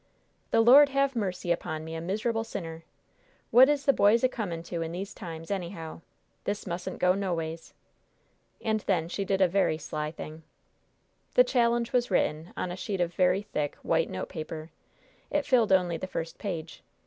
"The Lord have mercy upon me, a miserable sinner! What is the boys a coming to in these times, anyhow? This mustn't go, noways!" And then she did a very sly thing. The challenge was written on a sheet of very thick, white note paper. It filled only the first page.